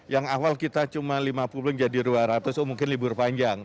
yang awal kita cuma lima puluh jadi dua ratus oh mungkin libur panjang